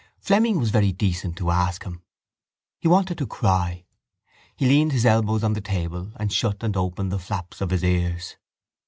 Fleming was very decent to ask him. He wanted to cry. He leaned his elbows on the table and shut and opened the flaps of his ears.